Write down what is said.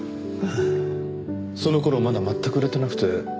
その頃まだ全く売れてなくて。